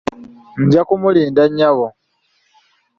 Nja kumulinda nnyabo.